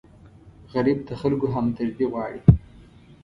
غریب د خلکو همدردي غواړي